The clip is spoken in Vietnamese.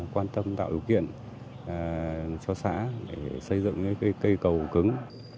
quan tâm tạo điều kiện cho xã để xây dựng cây cầu cứng